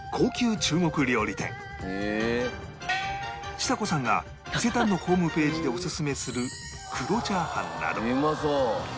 ちさ子さんが伊勢丹のホームページでオススメする黒炒飯など